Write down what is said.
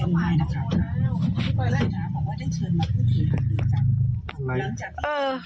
มาปาดหน้าแล้วทำไรอ่ะ